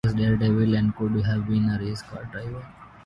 He was a daredevil and could have been a race car driver.